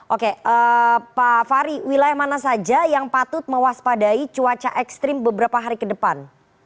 oke pak fahri wilayah mana saja yang patut mewaspadai cuaca ekstrim beberapa hari ke depan